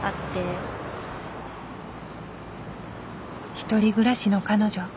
１人暮らしの彼女。